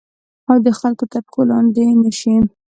او د خلګو تر پښو لاندي نه شي